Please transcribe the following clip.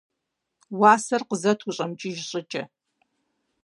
- Уасэр къызэт ущӀэмыкӀыж щӀыкӀэ.